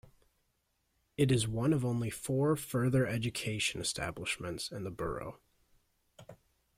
It is one of only four further education establishments in the borough.